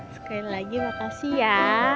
sekali lagi makasih ya